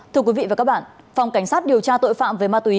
thưa quý vị và các bạn phòng cảnh sát điều tra tội phạm về ma túy